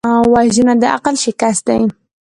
وژنه د عقل شکست دی